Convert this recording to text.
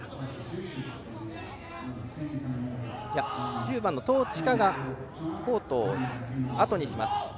１０番の唐治華がコートをあとにします。